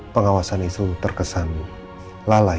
pengawasan itu terkesan lalai